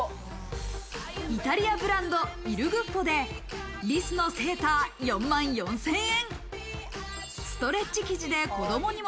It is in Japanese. イタリアブランド、イルグッフォでリスのセーター、４万４０００円。